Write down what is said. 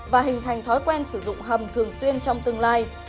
và hình thành thói quen sử dụng hầm thường xuyên trong tương lai